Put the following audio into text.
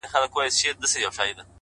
په شاعرۍ کي رياضت غواړمه-